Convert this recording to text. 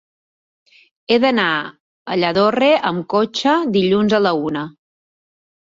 He d'anar a Lladorre amb cotxe dilluns a la una.